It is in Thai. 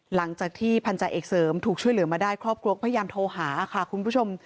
หลังจากที่พันธาเอกเสริมถูกช่วยเหลือมาได้ครอบครัวก็พยายามโทรหาค่ะคุณผู้ชม